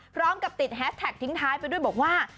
พร้อมกับติดแฮสแท็กทิ้งท้ายไปด้วยบอกว่า